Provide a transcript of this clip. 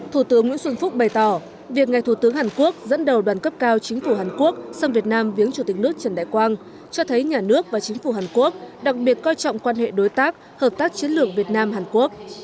thủ tướng nguyễn xuân phúc bày tỏ việc ngài thủ tướng hàn quốc dẫn đầu đoàn cấp cao chính phủ hàn quốc sang việt nam viếng chủ tịch nước trần đại quang cho thấy nhà nước và chính phủ hàn quốc đặc biệt coi trọng quan hệ đối tác hợp tác chiến lược việt nam hàn quốc